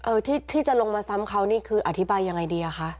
เออที่จะลงมาซ้ำเขาอธิบายยังไงดี